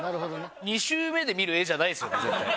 ２周目で見る画じゃないですよね